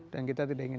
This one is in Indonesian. dan kita tidak ingat